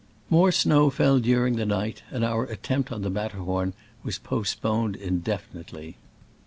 More snow fell during the night, and our attempt on the Matterhorn was post poned indefinitely.